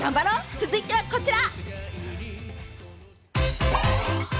続いてはこちら。